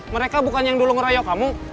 mereka bukan yang dulu ngeroyok kamu